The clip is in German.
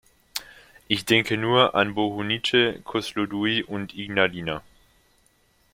Ich denke nur an Bohunice, Koslodui und Ignalina.